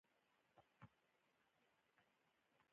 کاناډا د خوړو صادرات لري.